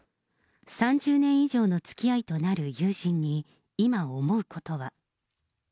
３０年以上のつきあいとなる友人に、今思うことは。